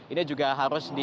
ini juga harus diwaspadai